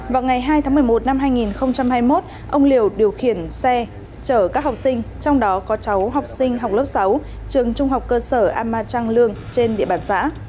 vào ngày hai tháng một mươi một năm hai nghìn hai mươi một ông liều điều khiển xe chở các học sinh trong đó có cháu học sinh học lớp sáu trường trung học cơ sở ama trang lương trên địa bàn xã